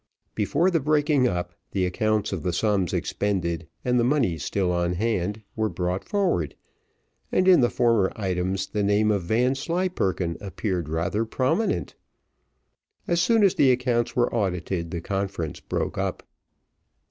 Before the breaking up, the accounts of the sums expended, and the monies still on hand, were brought forward; and in the former items, the name of Vanslyperken appeared rather prominent. As soon as the accounts were audited, the conference broke up.